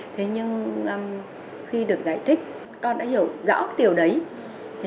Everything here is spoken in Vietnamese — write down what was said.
thế nhưng khi được giải thích con đã hiểu rõ điều đấy